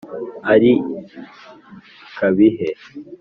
Ari i Kabihe,